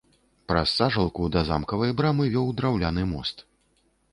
Праз сажалку да замкавай брамы вёў драўляны мост.